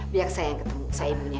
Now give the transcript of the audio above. biar saya yang ketemu saya ibunya